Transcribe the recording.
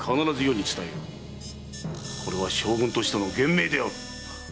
〔これは将軍としての厳命である〕